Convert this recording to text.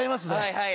はい。